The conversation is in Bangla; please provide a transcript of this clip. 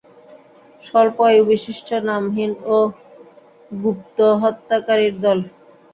স্বল্প আয়ুবিশিষ্ট নামহীন গুপ্তহত্যাকারীর দল।